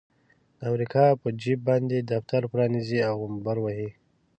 د امريکا په جيب باندې دفتر پرانيزي او غومبر وهي.